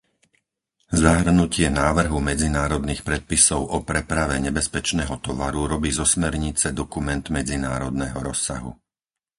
Zahrnutie návrhu medzinárodných predpisov o preprave nebezpečného tovaru robí zo smernice dokument medzinárodného rozsahu.